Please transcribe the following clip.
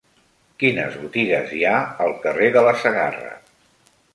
Quines botigues hi ha al carrer de la Segarra?